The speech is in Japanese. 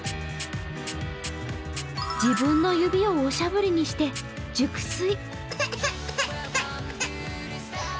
自分の指をおしゃぶりにして熟睡。